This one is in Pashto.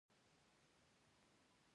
ایا ستاسو ټوکې خندونکې دي؟